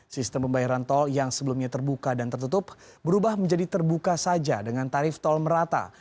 sistem pembayaran tol yang sebelumnya terbuka dan tertutup berubah menjadi terbuka saja dengan tarif tol merata